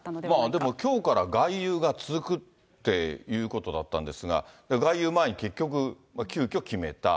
でもきょうから外遊が続くっていうことだったんですが、外遊前に結局、急きょ決めた。